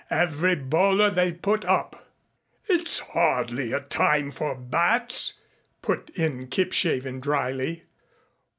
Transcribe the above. Every bowler they put up " "It's hardly a time for bats," put in Kipshaven dryly.